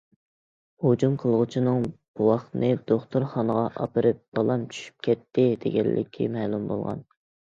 ھۇجۇم قىلغۇچىنىڭ بوۋاقنى دوختۇرخانىغا ئاپىرىپ« بالام چۈشۈپ كەتتى» دېگەنلىكى مەلۇم بولغان.